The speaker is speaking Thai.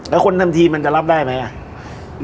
แล้วคนทำทีมันจะรับได้ไหม